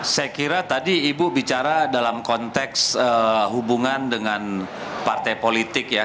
saya kira tadi ibu bicara dalam konteks hubungan dengan partai politik ya